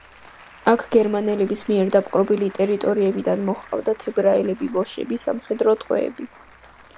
აქ გერმანელების მიერ დაპყრობილი ტერიტორიებიდან მოჰყავდათ ებრაელები, ბოშები, სამხედრო ტყვეები.